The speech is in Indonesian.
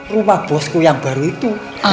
rumah bosku yang baru itu